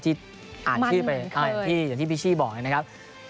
ที่อ่านชื่อเป็นอย่างที่พิชชี่บอกนะครับมันเหมือนเคย